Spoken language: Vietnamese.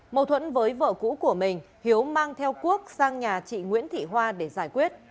mâu thuẫn với vợ cũ của mình hiếu mang theo quốc sang nhà chị nguyễn thị hoa để giải quyết